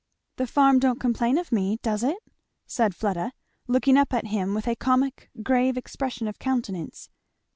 "The farm don't complain of me, does it?" said Fleda, looking up at him with a comic grave expression of countenance.